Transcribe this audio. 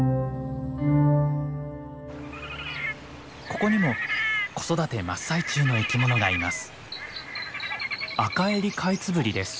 ここにも子育て真っ最中の生き物がいます。